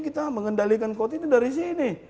kita mengendalikan kot ini dari sini